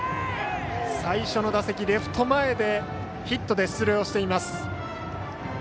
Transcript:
最初の打席、レフト前でヒットで出塁をしています。